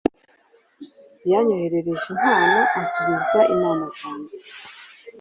Yanyoherereje impano ansubiza inama zanjye.